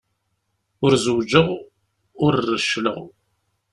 Ur zewǧeɣ, ur reccleɣ.